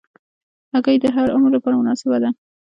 هګۍ د هر عمر لپاره مناسبه ده.